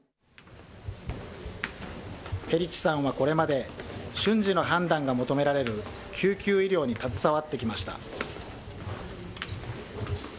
ヘリチさんはこれまで、瞬時の判断が求められる救急医療に携わってきました。